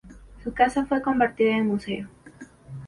Su casa fue convertida en museo.